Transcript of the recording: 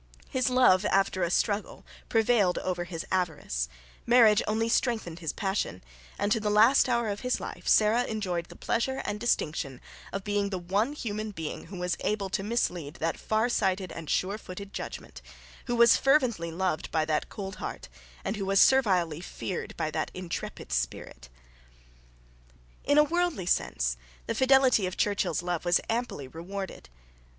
His love, after a struggle, prevailed over his avarice: marriage only strengthened his passion; and, to the last hour of his life, Sarah enjoyed the pleasure and distinction of being the one human being who was able to mislead that farsighted and surefooted judgment, who was fervently loved by that cold heart, and who was servilely feared by that intrepid spirit. In a worldly sense the fidelity of Churchill's love was amply rewarded.